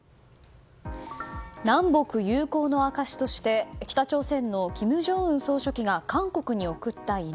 南北友好の証しとして北朝鮮の金正恩総書記が韓国に贈った犬。